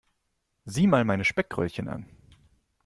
Sieh mal meine Speckröllchen an.